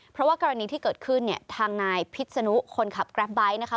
เพราะว่ากรณีที่เกิดขึ้นเนี่ยทางนายพิษนุคนขับแกรปไบท์นะคะ